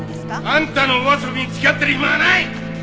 あんたのお遊びに付き合ってる暇はない！